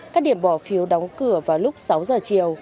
các điểm bỏ phiếu đóng cửa vào lúc sáu giờ chiều